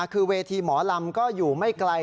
คือเวทีหมอลำก็อยู่ไม่ไกล